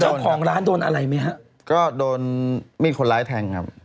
เจ้าของร้านโดนอะไรไหมฮะก็โดนมีดคนร้ายแทงครับ